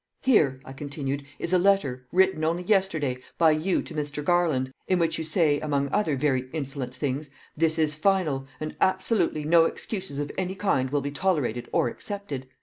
"Here," I continued, "is a letter, written only yesterday, by you to Mr. Garland, in which you say, among other very insolent things: 'This is final, and absolutely no excuses of any kind will be tolerated or accepted.